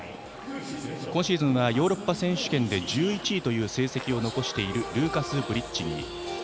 今シーズンはヨーロッパ選手権で１１位という成績を残しているルーカス・ブリッチギー。